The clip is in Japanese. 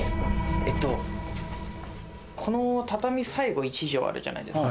えっとこの畳最後１畳あるじゃないですか